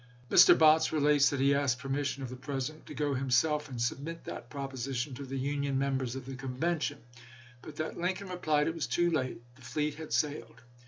Mr. Botts relates that he asked permission of the President to go himself and submit that proposi tion to the Union members of the convention, but that Lincoln replied it was too late, the fleet had sailed.